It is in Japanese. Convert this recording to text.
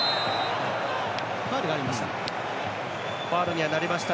ファウルがありました。